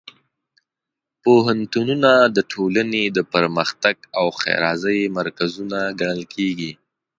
پوهنتونونه د ټولنې د پرمختګ او ښېرازۍ مرکزونه ګڼل کېږي.